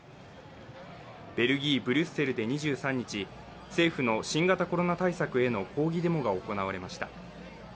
ベルギー・ブリュッセルで２３日政府の新型コロナ対策への抗議デモが行われました。